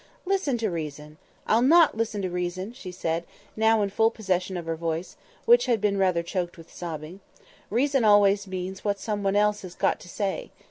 "Listen to reason"— "I'll not listen to reason," she said, now in full possession of her voice, which had been rather choked with sobbing. "Reason always means what someone else has got to say.